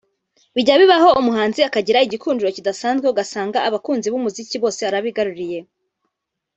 Bijya bibaho umuhanzi akagira igikundiro kidasanzwe ugasanga abakunzi b’umuziki bose arabigaruriye